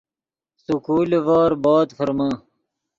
سکول لیڤور بود ڤرمے